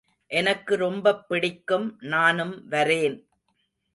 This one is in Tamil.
எனக்கு ரொம்பப் பிடிக்கும் நானும் வரேன்.